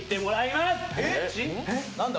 何だ？